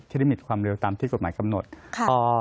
ลิมิตความเร็วตามที่กฎหมายกำหนดค่ะ